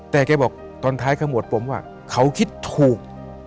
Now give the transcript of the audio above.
แต่แกบอกตอนท้ายขมวดผมว่าเขาคิดถูก